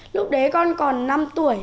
lúc đấy con còn năm tuổi